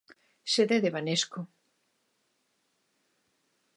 Sede de Banesco.